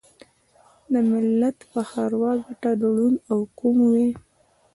دملت پر خروار ګټه ړوند او کوڼ وي